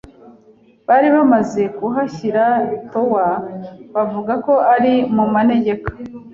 Bari bamaze kuhashyira towa bavugako ari mumanegeka